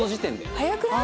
早くない？